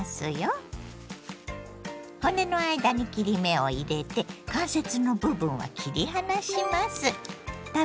骨の間に切り目を入れて関節の部分は切り離します。